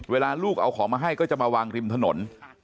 เวลาลูกเอาของมาให้ก็จะมาวางริมถนน